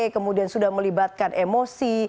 kemudian sudah melibatkan emosi